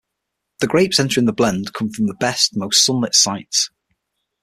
The grapes entering the blend come from the best, most sunlit sites.